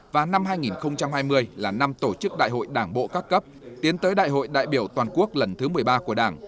và năm hai nghìn hai mươi là năm tổ chức đại hội đảng bộ các cấp tiến tới đại hội đại biểu toàn quốc lần thứ một mươi ba của đảng